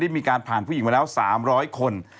มีการผ่านผู้หญิงมาแล้ว๓๐๐คน